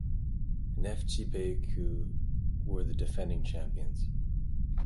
Neftchi Baku were the defending champions.